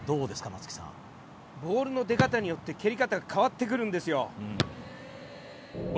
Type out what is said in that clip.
松木さんボールの出方によって蹴り方が変わってくるんですよ